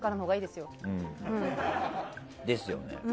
ですよね。